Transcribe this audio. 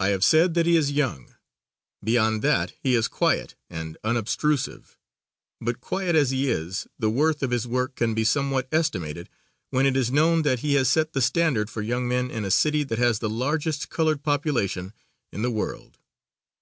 I have said that he is young. Beyond that he is quiet and unobtrusive; but quiet as he is, the worth of his work can be somewhat estimated when it is known that he has set the standard for young men in a city that has the largest colored population in the world.